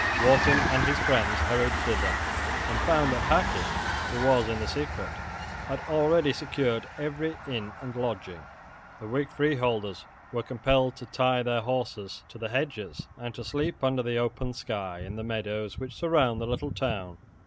Wharton and his friends hurried thither, and found that Hacket, who was in the secret, had already secured every inn and lodging. The Whig freeholders were compelled to tie their horses to the hedges, and to sleep under the open sky in the meadows which surround the little town.